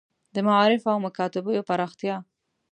د معارف او مکاتیبو پراختیا.